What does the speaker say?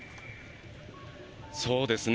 そうですね。